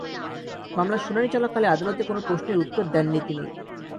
মামলার শুনানি চলাকালে আদালতে কোনো প্রশ্নের উত্তর দেননি তিনি।